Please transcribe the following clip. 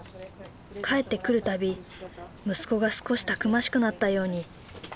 帰ってくる度息子が少したくましくなったように感じるという。